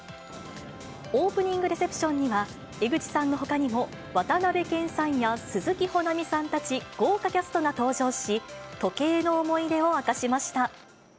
オープニングレセプションには、江口さんのほかにも渡辺謙さんや、鈴木保奈美さんたち豪華キャストが登場し、時計の思い出を明かしました。